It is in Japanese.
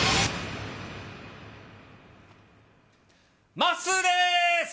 まっすーです。